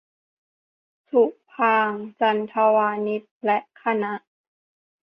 สุภางค์ จันทวานิช และคณะ